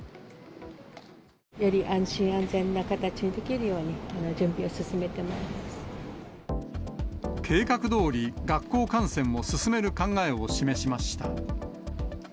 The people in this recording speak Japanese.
より安心安全な形でできるよ計画どおり、学校観戦を進める考えを示しました。